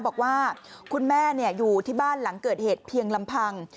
บอกว่าคุณแม่อยู่ที่บ้านหลังเกิดเหตุเพียงลำพัง